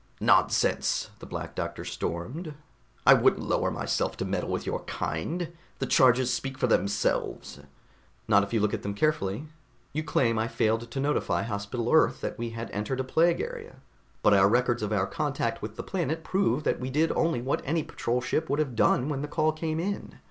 "Nonsense!" the Black Doctor stormed. "I wouldn't lower myself to meddle with your kind. The charges speak for themselves." "Not if you look at them carefully. You claim I failed to notify Hospital Earth that we had entered a plague area but our records of our contact with the planet prove that we did only what any patrol ship would have done when the call came in.